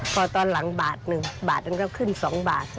พอตอนหลังบาทหนึ่งบาทหนึ่งก็ขึ้น๒บาท